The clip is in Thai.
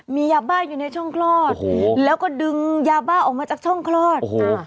มียาบ้าอยู่ในช่องคลอดแล้วก็ดึงยาบ้าออกมาจากช่องคลอด